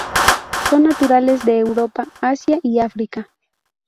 Son naturales de Europa, Asia y África.